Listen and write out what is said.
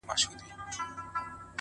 د ژوند يې يو قدم سو; شپه خوره سوه خدايه;